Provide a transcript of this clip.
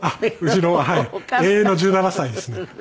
うちの永遠の１７歳ですね。